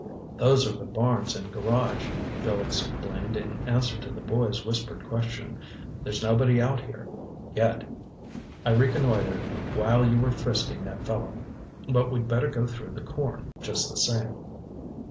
"Those are the barns and garage," Bill explained in answer to the boy's whispered question. "There's nobody out here—yet. I reconnoitered while you were frisking that fellow. But we'd better go through the corn, just the same."